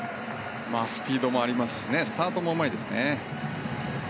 スピードもありますしスタートもうまいですね。